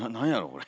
これ。